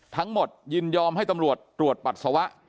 ทั้งหมดยืนยอมให้ตำรวจตรวจปัสสาวะ